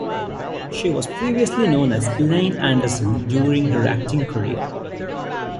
She was previously known as Elaine Anderson during her acting career.